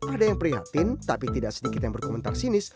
ada yang prihatin tapi tidak sedikit yang berkomentar sinis